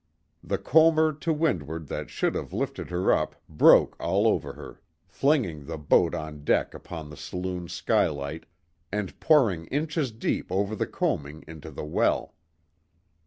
The comber to windward that should have lifted her up broke all over her; flinging the boat on deck upon the saloon skylight, and pouring inches deep over the coaming into the well.